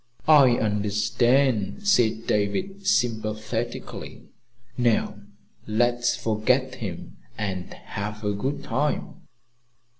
"I understand," said David sympathetically. "Now let's forget him and have a good time."